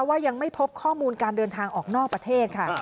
ว่ายังไม่พบข้อมูลการเดินทางออกนอกประเทศค่ะ